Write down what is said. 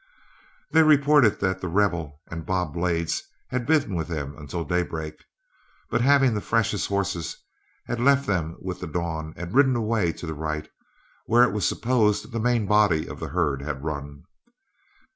They reported that The Rebel and Bob Blades had been with them until daybreak, but having the freshest horses had left them with the dawn and ridden away to the right, where it was supposed the main body of the herd had run.